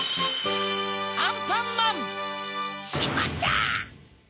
アンパンマン‼しまった！